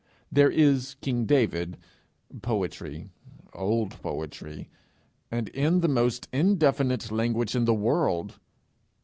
There is king David: Poetry! old poetry! and in the most indefinite language in the world!